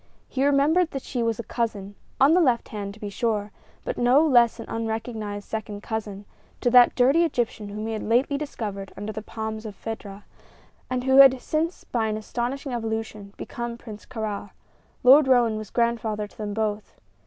He remembered that she was a cousin on the left hand, to be sure, but no less an unrecognized second cousin to that dirty Egyptian whom he had lately discovered under the palms of Fedah, and who had since, by an astonishing evolution, become Prince Kāra. Lord Roane was grandfather to them both.